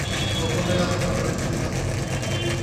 তখনই আত্মা মুক্তি লাভ করিবে।